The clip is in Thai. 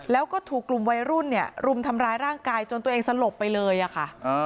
แล้วก็ถูกกลุ่มวัยรุ่นเนี่ยรุมทำร้ายร่างกายจนตัวเองสลบไปเลยอะค่ะ